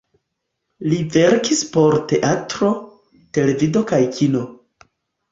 Li verkis por teatro, televido kaj kino.